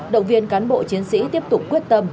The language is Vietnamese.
động viên cán bộ chiến sĩ tiếp tục quyết tâm